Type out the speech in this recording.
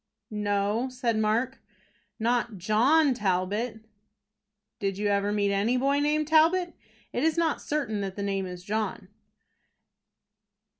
"No," said Mark, "not John Talbot." "Did you ever meet any boy named Talbot? It is not certain that the name is John."